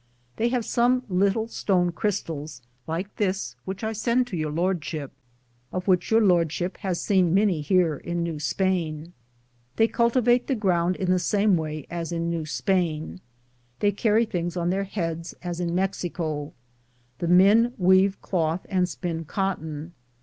They have some little stone crystals, like this which I send to Your Lordship, of which Your Lordship has seen many here in New Spain. They cultivate the ground in the same way as in New Spain. They carry things on their heads, as in Mexico. The men weave cloth and spin cotton.